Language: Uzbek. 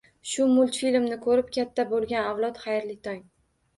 Shu multfilmni ko'rib katta bo'lgan avlod, xayrli tong!